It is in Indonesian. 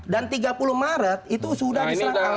dan tiga puluh maret itu sudah diserang al ma'idah